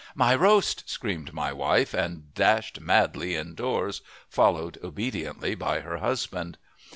"My roast!" screamed my wife, and dashed madly indoors, followed obediently by her husband.